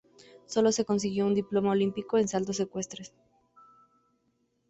Sólo se consiguió un diploma olímpico, en saltos ecuestres.